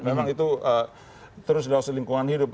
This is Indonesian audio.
memang itu terus di luar selingkungan hidup